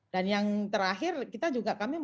dan yang terakhir kita juga